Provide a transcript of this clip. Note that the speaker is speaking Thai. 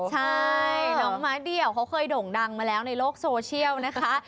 ใช่น้องม้าเดี่ยวเขาเคยโด่งดังมาแล้วในโลกโซเชียลนะคะ